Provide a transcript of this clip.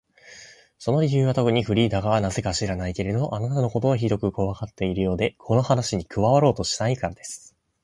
その理由はとくに、フリーダがなぜか知らないけれど、あなたのことをひどくこわがっているようで、この話に加わろうとしないからです。